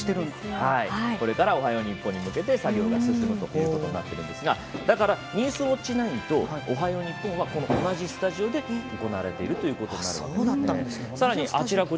これから「おはよう日本」に向け作業が進むということになっているんですがだから「ニュースウオッチ９」と「おはよう日本」はこの同じスタジオで行われているということになるわけです。